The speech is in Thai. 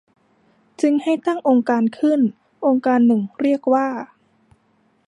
จึงให้ตั้งองค์การณ์ขึ้นองค์การณ์หนึ่งเรียกว่า